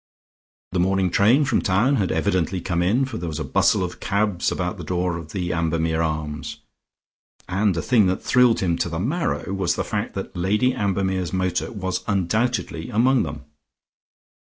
The morning train from town had evidently come in, for there was a bustle of cabs about the door of the Ambermere Arms, and a thing that thrilled him to the marrow was the fact that Lady Ambermere's motor was undoubtedly among them.